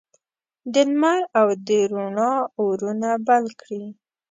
د لمر او د روڼا اورونه بل کړي